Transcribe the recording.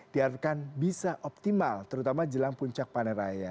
diharapkan bisa optimal terutama jelang puncak panen raya